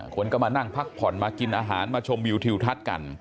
คนก็มานั่งพักผ่อนมากินอาหารมาชมวิวทิวทัศน์กัน